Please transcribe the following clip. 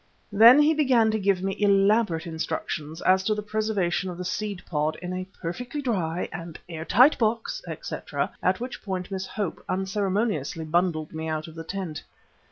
Then he began to give me elaborate instructions as to the preservation of the seed pod in a perfectly dry and air tight tin box, etc., at which point Miss Hope unceremoniously bundled me out of the tent.